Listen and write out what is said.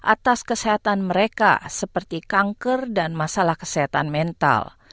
atas kesehatan mereka seperti kanker dan masalah kesehatan mental